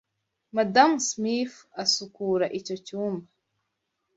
Madamu Smith asukura icyo cyumba.